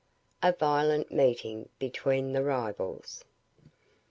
A VIOLENT MEETING BETWEEN THE RIVALS.